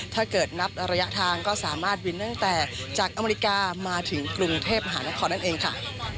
ถ้าเกิดนับระยะทางก็สามารถบินตั้งแต่จากอเมริกามาถึงกรุงเทพมหานครนั่นเองค่ะ